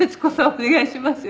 お願いしますよ。